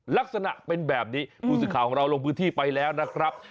ลักษณะเป็นแบบนี้ผู้สื่อข่าวของเราลงพื้นที่ไปแล้วนะครับ